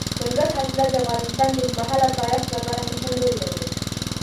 دځنګل حاصلات د افغانستان د اوږدمهاله پایښت لپاره مهم رول لري.